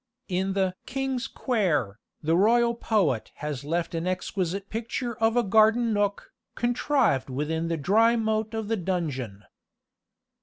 In the "King's Quair," the royal poet has left an exquisite picture of a garden nook, contrived within the dry moat of the dungeon.